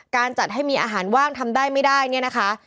การจัดให้มีอาหารว่างทำได้ไม่ได้เนี่ยนะคะ